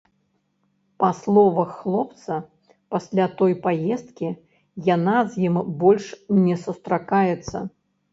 Па словах хлопца, пасля той паездкі яна з ім больш не сустракаецца.